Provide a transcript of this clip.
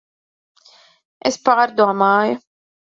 Es pārdomāju.